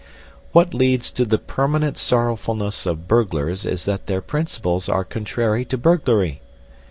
What leads to the permanent sorrowfulness of burglars is that their principles are contrary to burglary.